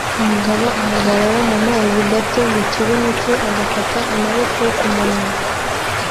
umugabo ahagarara mumazi gato mukibuno cye agafata amaboko kumunwa